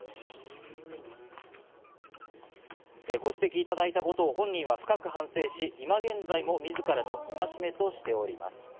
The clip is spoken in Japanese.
ご指摘いただいたことを本人は深く反省し、今現在も自らの戒めとしております。